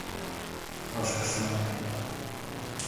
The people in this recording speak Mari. Вашкышна...